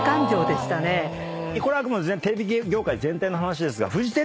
これはあくまでテレビ業界全体の話ですが。